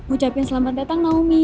ucapin selamat datang naomi